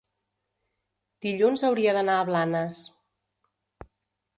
dilluns hauria d'anar a Blanes.